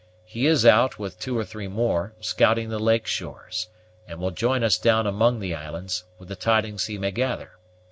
He is out, with two or three more, scouting the lake shores, and will join us down among the islands, with the tidings he may gather.